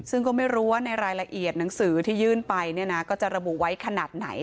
ซึ่งก็ไม่รู้ว่าในรายละเอียดหนังสือที่ยื่นไปก็จะระบุไว้ขนาดไหน